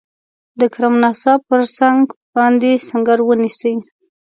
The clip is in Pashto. د کرم ناسا پر څنګ باندي سنګر ونیسي.